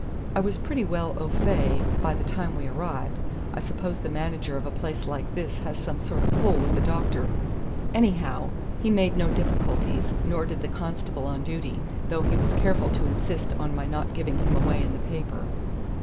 I was pretty well au fait by the time we arrived. I suppose the manager of a place like this has some sort of a pull with the doctor. Anyhow, he made no difficulties, nor did the constable on duty, though he was careful to insist on my not giving him away in the paper."